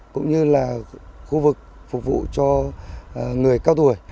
cũng như là khu vực phục vụ cho người cao tuổi